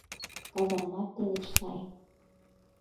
Казармат тылеч сай.